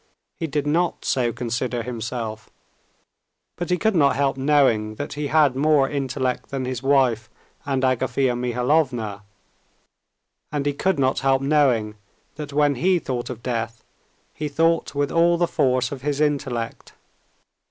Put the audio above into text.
He did not so consider himself, but he could not help knowing that he had more intellect than his wife and Agafea Mihalovna, and he could not help knowing that when he thought of death, he thought with all the force of his intellect.